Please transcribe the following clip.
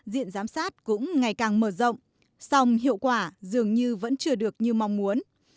diện giám sát cũng ngày càng mở rộng song hiệu quả dường như vẫn chưa được như mong muốn